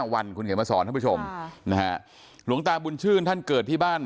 วันคุณเขียนมาสอนท่านผู้ชมนะฮะหลวงตาบุญชื่นท่านเกิดที่บ้าน